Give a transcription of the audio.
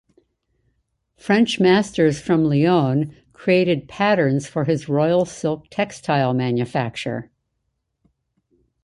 French masters from Lion created patterns for his royal silk textile manufacture.